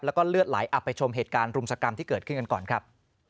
แล้วก็เลือดไหลอับไปชมเหตุการณ์รุมสกรรมที่เกิดขึ้นกันก่อนครับ